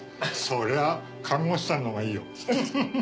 そりゃあ看護師さんのほうがいいよ。